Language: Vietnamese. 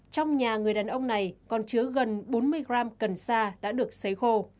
trong nhà người đàn ông này còn chứa gần bốn mươi gram cần sa đã được xấy khô